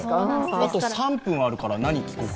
あと３分あるから、何聞こうかしら？